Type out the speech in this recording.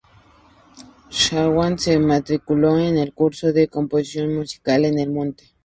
Shawn se matriculó en un curso de composición musical en el monte.